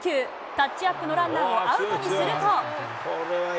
タッチアップのランナーをアウトにすると。